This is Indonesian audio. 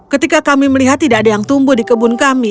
ketika kami melihat tidak ada yang tumbuh di kebun kami